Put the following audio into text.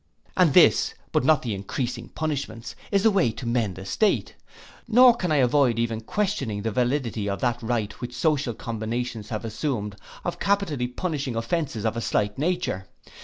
And this, but not the increasing punishments, is the way to mend a state: nor can I avoid even questioning the validity of that right which social combinations have assumed of capitally punishing offences of a slight nature.